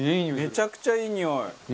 めちゃくちゃいいにおい！